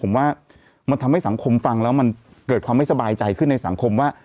ผมว่ามันทำให้สังคมฟังแล้วมันเกิดความไม่สบายใจขึ้นในสังคมว่า